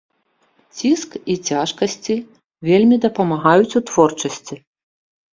Ціск і цяжкасці вельмі дапамагаюць у творчасці.